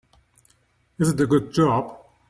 Is it a good job?